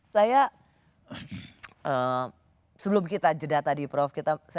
saya sebelum kita jeda tadi prof